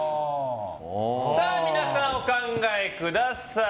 皆さん、お考えください。